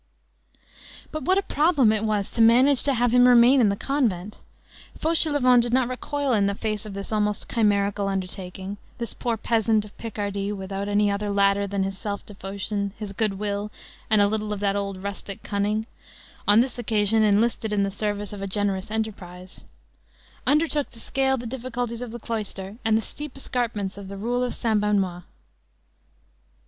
But what a problem it was to manage to have him remain in the convent! Fauchelevent did not recoil in the face of this almost chimerical undertaking; this poor peasant of Picardy without any other ladder than his self devotion, his good will, and a little of that old rustic cunning, on this occasion enlisted in the service of a generous enterprise, undertook to scale the difficulties of the cloister, and the steep escarpments of the rule of Saint Benoît.